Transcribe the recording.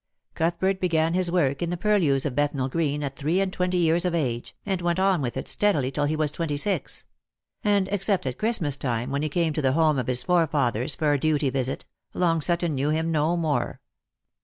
Cuthbert began his work in the purlieus of Bethnal green at three and twenty years of age, and went on with it steadily till he was twenty six; and, except at Christmas time, when lie came to the home of his forefathers for a duty visit, Long Sutton knew him no more.